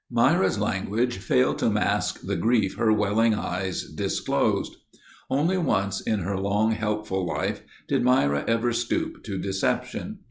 Myra's language failed to mask the grief her welling eyes disclosed. Only once in her long, helpful life did Myra ever stoop to deception.